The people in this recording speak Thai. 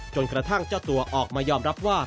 จนกระทั่งเจ้าตัวออกมายอมรับว่า